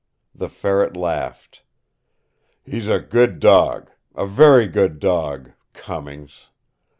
The Ferret laughed. "He's a good dog, a very good dog, Cummings.